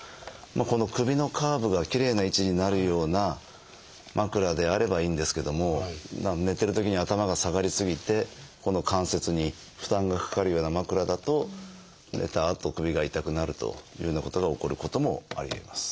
この首のカーブがきれいな位置になるような枕であればいいんですけども寝てるときに頭が下がり過ぎてここの関節に負担がかかるような枕だと寝たあと首が痛くなるというようなことが起こることもありえます。